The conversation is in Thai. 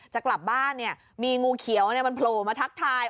จะกลับบ้านเนี่ยมีงูเขียวเนี่ยมันโผล่มาทักทาย